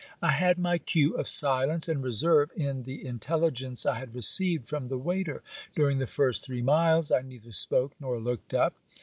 I had my cue of silence and reserve in the intelligence I had received from the waiter. During the first three miles, I neither spoke nor looked up.